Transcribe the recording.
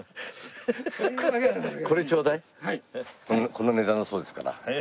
この値段そうですから。